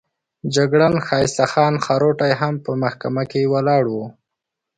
جګړن ښایسته خان خروټی هم په محکمه کې ولاړ وو.